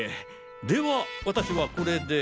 では私はこれで。